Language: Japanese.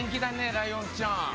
ライオンちゃん。